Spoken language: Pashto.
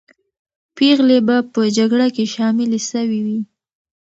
پېغلې به په جګړه کې شاملې سوې وې.